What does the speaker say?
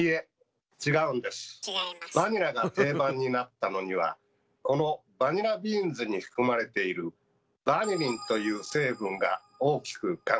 バニラが定番になったのにはこのバニラビーンズに含まれている「バニリン」という成分が大きく関係しているんです。